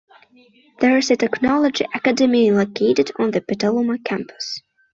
There is a Technology Academy located on the Petaluma Campus.